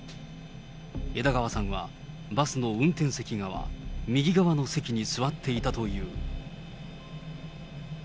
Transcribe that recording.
枝川さんは、バスの運転席側、右側の席に座っていたという。